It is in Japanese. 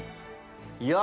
いや